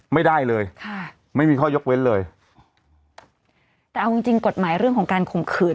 ไม่ได้เลยค่ะไม่มีข้อยกเว้นเลยแต่เอาจริงจริงกฎหมายเรื่องของการข่มขืน